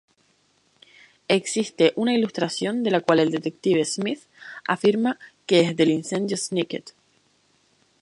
Existe una ilustración la cual el Detective Smith afirma que es del incendio Snicket.